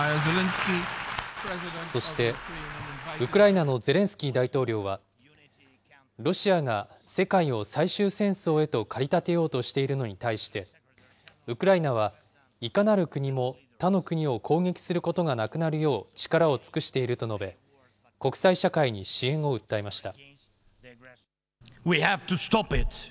そして、ウクライナのゼレンスキー大統領は、ロシアが世界を最終戦争へと駆り立てようとしているのに対して、ウクライナはいかなる国も他の国を攻撃することがなくなるよう、力を尽くしていると述べ、国際社会に支援を訴えました。